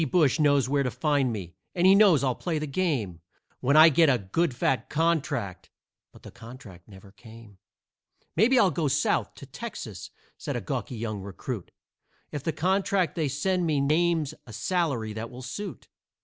Brush knows where to find me, and he knows I'll play the game When I get a good fat contract" but the contract never came. "Maybe I'll go South to Texas," said a gawky young recruit, "If the contract that they send me names a salary that will suit.